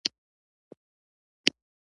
هلک وويل: وېرېدلی يې، شونډه دې وتلې ده.